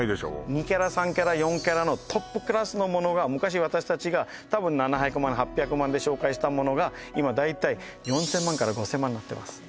２カラット３カラット４カラットのトップクラスのものが昔私たちが多分７００万８００万で紹介したものが今は大体４０００万から５０００万になってます